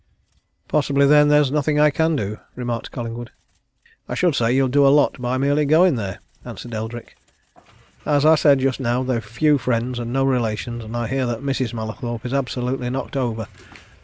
"Possibly, then, there is nothing I can do," remarked Collingwood. "I should say you'll do a lot by merely going there," answered Eldrick. "As I said just now, they've few friends, and no relations, and I hear that Mrs. Mallathorpe is absolutely knocked over.